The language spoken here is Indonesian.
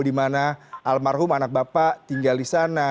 dimana almarhum anak bapak tinggal di sana